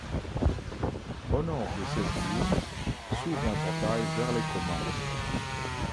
Au nord de cette cour, s'ouvre un portail vers les communs.